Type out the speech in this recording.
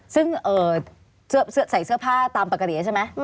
ซึ่งเอ่อเสื้อใส่เสื้อผ้าตามประกะเดียใช่ไหม